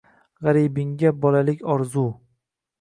Gʼaribingga bolalik orzu.